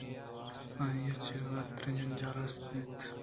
آئی ءَ راچتوریں جنجال است اِنت